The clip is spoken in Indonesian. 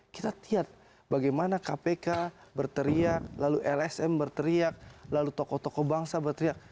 kita lihat bagaimana kpk berteriak lalu lsm berteriak lalu tokoh tokoh bangsa berteriak